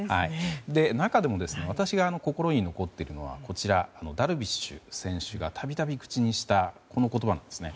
中でも私が心に残っているのはダルビッシュ選手がたびたび口にしたこの言葉なんですね。